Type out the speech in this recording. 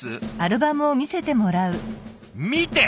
見て！